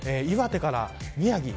岩手から宮城